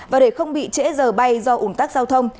và để không bị trễ giờ bay do ủn tắc giao thông